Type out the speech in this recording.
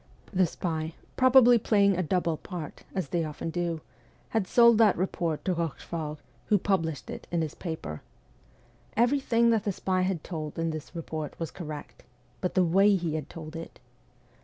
The spy, probably playing a double part as they often do had sold that report to Eochefort, who published it in his paper. Everything that the spy had told in this report was correct but the way he had told it